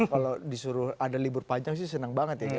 kalau disuruh ada libur panjang sih senang banget ya